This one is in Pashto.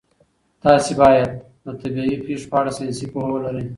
تاسي باید د طبیعي پېښو په اړه ساینسي پوهه ولرئ.